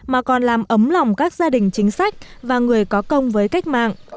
mà còn làm ấm lòng các gia đình chính sách và người có công với cách mạng